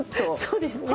そうですね。